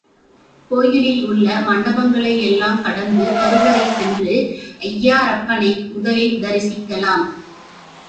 கோயிலில் உள்ள மண்டபங்களை யெல்லாம் கடந்து கருவறை சென்று ஐயாறப்பனை முதலில் தரிசிக்கலாம்.